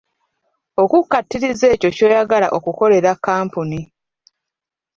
Okukkatiriza ekyo ky'oyagala okukolera kkampuni.